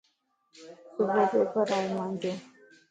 صبح پيپرائي مانجو